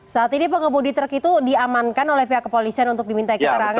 saat ini pengemudi truk itu diamankan oleh pihak kepolisian untuk diminta keterangan